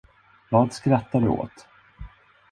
Vad skrattar du åt?